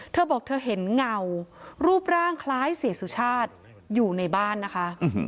เธอบอกเธอเห็นเงารูปร่างคล้ายเสียสุชาติอยู่ในบ้านนะคะ